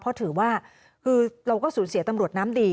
เพราะถือว่าคือเราก็สูญเสียตำรวจน้ำดี